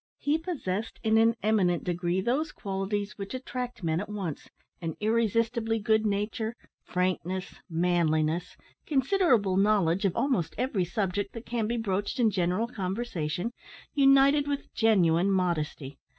He possessed in an eminent degree those qualities which attract men at once, and irresistibly good nature, frankness, manliness, considerable knowledge of almost every subject that can be broached in general conversation, united with genuine modesty.